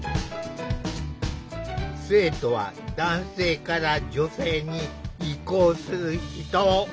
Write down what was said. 生徒は男性から女性に移行する人。